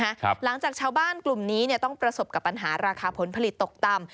หลังจากชาวบ้านกลุ่มนี้เนี่ยต้องประสบกับปัญหาราคาผลผลิตตกต่ำ